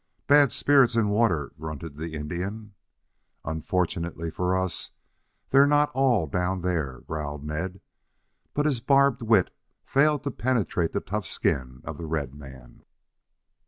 "Bad spirits in water," grunted the Indian. "Unfortunately for us, they're not all down there," growled Ned. But his barbed wit failed to penetrate the tough skin of the red man.